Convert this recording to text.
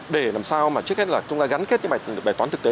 để làm sao mà trước hết là chúng ta gắn kết những bài toán thực tế